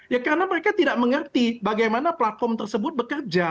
ya karena mereka tidak mengerti bagaimana platform tersebut bekerja